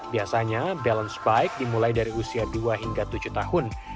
biasanya balance bike dimulai dari usia dua hingga tujuh tahun